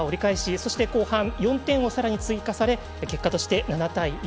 そして後半４点をさらに追加され結果として７対１。